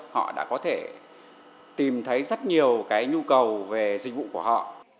họ đã có thể tìm thấy rất nhiều cái nhu cầu về dịch vụ của họ